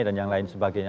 dan yang lain sebagainya